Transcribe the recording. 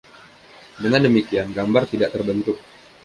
Dengan demikian, 'gambar' tidak terbentuk.